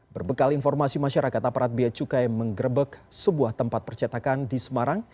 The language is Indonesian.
berbekal informasi masyarakat aparat biaya cukai menggerebek sebuah tempat percetakan di semarang